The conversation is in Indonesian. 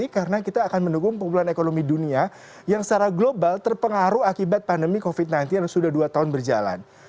karena kita akan mendukung punggulan ekonomi dunia yang secara global terpengaruh akibat pandemi covid sembilan belas yang sudah dua tahun berjalan